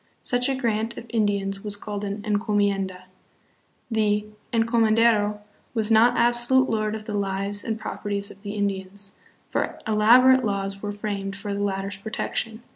Such a grant of Indians was called an "encomienda." The "encomen dero" was not absolute lord of the lives and properties of the Indians, for elaborate laws were framed for the latter's protection.